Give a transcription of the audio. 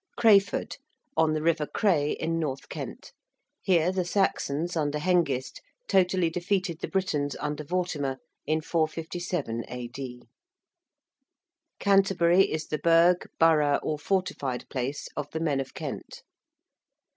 ~Crayford~: on the river Cray in north Kent. Here the Saxons under Hengist totally defeated the Britons under Vortimer in 457 A.D. ~Canterbury~ is the burgh, borough, or fortified place of the men of Kent.